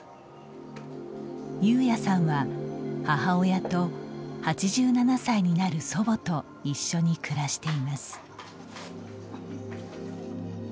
優也さんは、母親と８７歳になる祖母と一緒に暮らしています。